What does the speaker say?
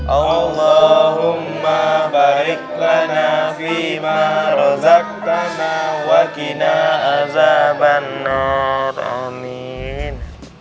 allahumma baiklah nafima rozaktana wakinah azabanur amin